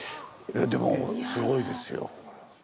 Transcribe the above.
でもすごいですよ。